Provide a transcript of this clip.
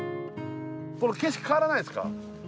この景色変わらないですか？